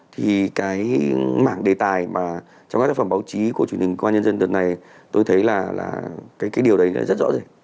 thì cái mảng đề tài mà trong các tác phẩm báo chí của truyền hình quan nhân dân lần này tôi thấy là cái điều đấy rất rõ ràng